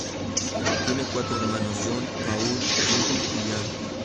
Tiene cuatro hermanos: John, Paul, Judy y Anne.